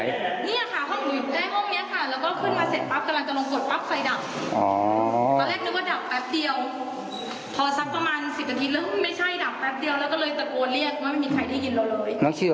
นี่ค่ะห้องหลุ่นแรกห้องนี้ค่ะ